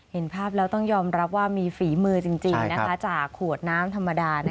เห็นภาพแล้วต้องยอมรับว่ามีฝีมือจริงจากขวดน้ำธรรมดา